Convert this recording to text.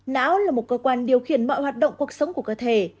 não là một cơ quan điều khiển mọi hoạt động cuộc sống của cơ thể